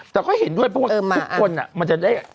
แต่ก็เห็นด้วยเพราะว่าทุกคนมันจะได้